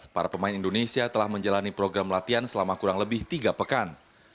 para pemain indonesia telah menjalani program latihan selama kurang lebih tiga pekan